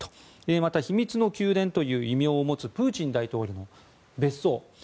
また、秘密の宮殿という異名を持つプーチン大統領の別荘